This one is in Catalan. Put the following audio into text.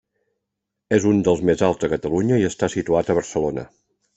És un dels més alts de Catalunya i està situat a Barcelona.